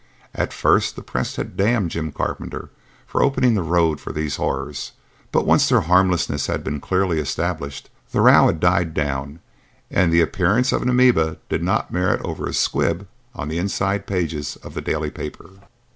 At first the press had damned Jim Carpenter for opening the road for these horrors, but once their harmlessness had been clearly established, the row had died down and the appearance of an amoeba did not merit over a squib on the inside pages of the daily papers.